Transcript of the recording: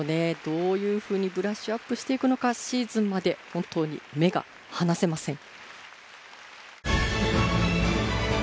どういうふうにブラッシュアップしていくのかシーズンまで本当に目が離せません